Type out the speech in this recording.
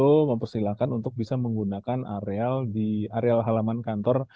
dan kami berhasil menempatkan untuk bisa menggunakan areal di areal halaman kantor